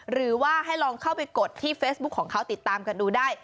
หรือว่าให้ลองเข้าไปกดที่เฟซบุ๊คของเขาติดตามกันดูได้